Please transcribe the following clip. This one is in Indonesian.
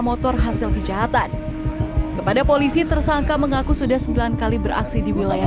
motor hasil kejahatan kepada polisi tersangka mengaku sudah sembilan kali beraksi di wilayah